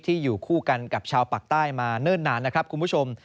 อยู่คู่กันกับชาวปากใต้มาเนิ่นนานนะครับคุณผู้ชม